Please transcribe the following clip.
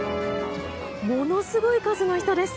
ものすごい数の人です。